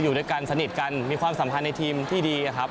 อยู่ด้วยกันสนิทกันมีความสัมพันธ์ในทีมที่ดีครับ